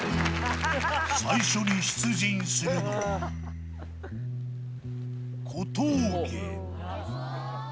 最初に出陣するのは、小峠。